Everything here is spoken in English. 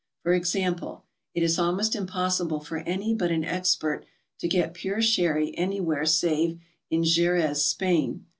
For example, it is ^almost impossible for any but an expert to get pure sherry anywhere save in Jerez, Spain.